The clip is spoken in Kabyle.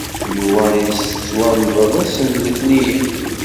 Yuba ad yettwamḍel ass n letniyen.